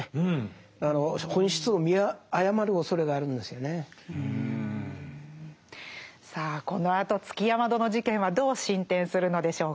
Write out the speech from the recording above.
だからねやっぱりさあこのあと築山殿事件はどう進展するのでしょうか。